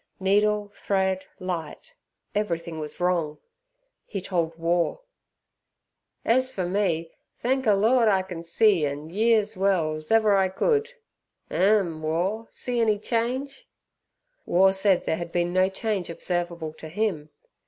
Needle, thread, light, everything was wrong, he told War. "Es fer me, thenk a Lord I ken see an' year's well's ever I could. Ehm, War! See any change?" War said there had been no change observable to him.